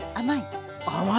甘い？